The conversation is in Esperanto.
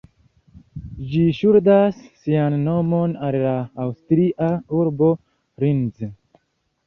Ĝi ŝuldas sian nomon al la aŭstria urbo Linz.